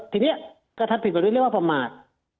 ทีนี้กระทำผิดไปด้วยเรียกว่าประมาท